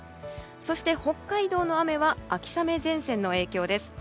そして、北海道の雨は秋雨前線の影響です。